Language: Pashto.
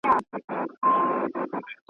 چي خدای درکړی د توري زور دی .